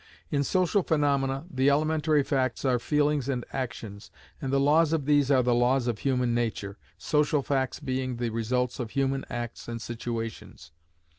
In social phaemomena the elementary facts are feelings and actions, and the laws of these are the laws of human nature, social facts being the results of human acts and situations.